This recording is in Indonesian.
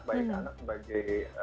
baik anak sebagai